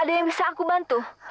ada yang bisa aku bantu